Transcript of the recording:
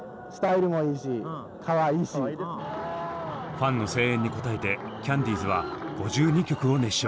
ファンの声援に応えてキャンディーズは５２曲を熱唱。